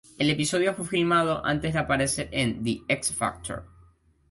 El episodio fue filmado antes de aparecer en The X Factor.